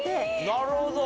なるほど。